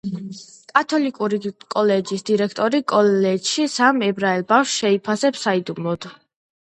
კათოლიკური კოლეჯის დირექტორი კოლეჯში სამ ებრაელ ბავშვს შეიფარებს საიდუმლოდ.